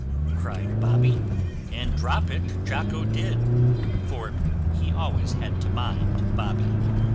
cried Bobby, and drop it Jocko did, for he always had to mind Bobby.